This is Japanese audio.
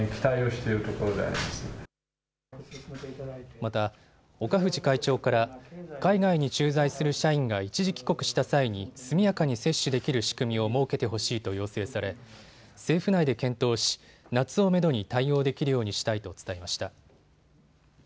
また、岡藤会長から海外に駐在する社員が一時帰国した際に速やかに接種できる仕組みを設けてほしいと要請され政府内で検討し、夏をめどに対応できるようにしたいと伝えました。